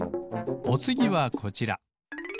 おつぎはこちら。